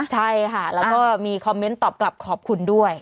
ใช่ค่ะแล้วก็มีคอมเมนต์ตอบกลับขอบคุณด้วย